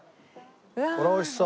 これはおいしそう。